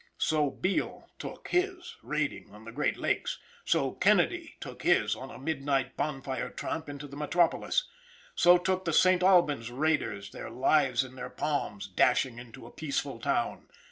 So Beale took his, raiding on the great lakes. So Kennedy took his, on a midnight bonfire tramp into the metropolis. So took the St. Albans raiders their lives in their palms, dashing into a peaceful town.